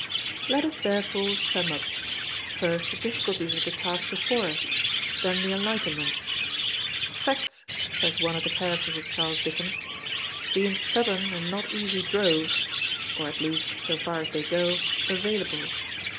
Let us therefore sum up: first the difficulties of the task before us; then the enlightenments. "Facts," says one of the characters of Charles Dickens, "bein' stubborn and not easy drove," are at least, so far as they go, available.